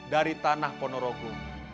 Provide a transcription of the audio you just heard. dari tanah pono rogo